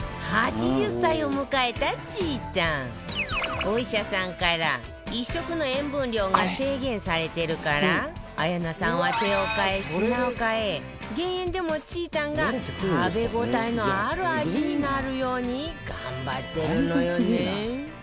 先日お医者さんから１食の塩分量が制限されてるから綾菜さんは手を替え品を替え減塩でもちーたんが食べ応えのある味になるように頑張ってるのよね